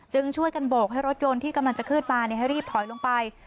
ช่วยกันโบกให้รถยนต์ที่กำลังจะขึ้นมาให้รีบถอยลงไป